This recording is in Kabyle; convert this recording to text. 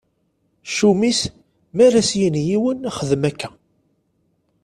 Ccum-is mi ara s-yini yiwen xdem akka.